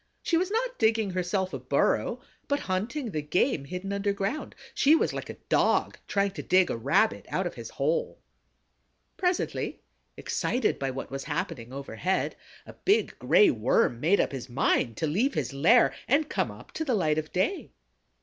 She was not digging herself a burrow but hunting the game hidden underground; she was like a Dog trying to dig a Rabbit out of his hole. Presently, excited by what was happening overhead, a big Gray Worm made up his mind to leave his lair and come up to the light of day.